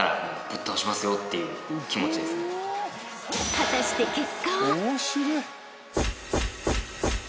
［果たして結果は！？］